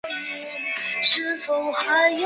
曾祖父胡通礼。